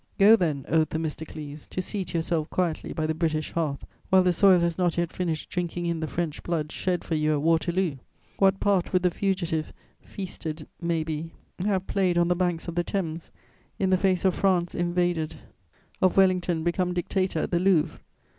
Go then, O Themistocles, to seat yourself quietly by the British hearth, while the soil has not yet finished drinking in the French blood shed for you at Waterloo! What part would the fugitive, feasted may be, have played on the banks of the Thames, in the face of France invaded, of Wellington become dictator at the Louvre?